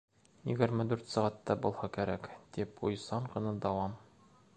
—Егерме дүрт сәғәттә булһа кәрәк, —тип уйсан ғына дауам